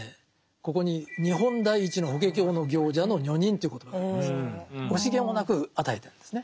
ここに「日本第一の『法華経』の行者の女人」という言葉がありますが惜しげもなく与えてるんですね。